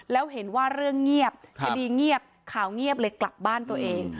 แล้วเห็นว่าเรื่องเงียบคดีเงียบข่าวเงียบเลยกลับบ้านตัวเอง